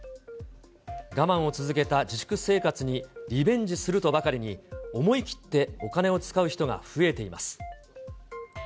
我慢を続けた自粛生活にリベンジするとばかりに、思い切ってお金を使う人が増えています。